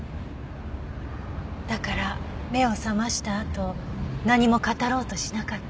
だから目を覚ましたあと何も語ろうとしなかった。